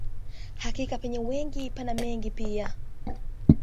Hakika penye wengi pana mengi pia